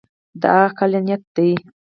دا عقلانیت دی.